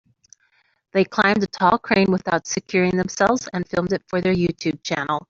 They climbed a tall crane without securing themselves and filmed it for their YouTube channel.